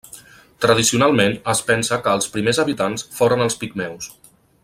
Tradicionalment es pensa que els primers habitants foren els pigmeus.